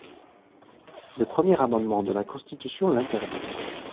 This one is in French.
Le premier amendement de la Constitution l'interdit.